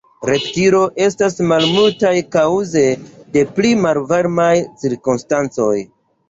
Reptilioj estas malmultaj kaŭze de pli malvarmaj cirkonstancoj.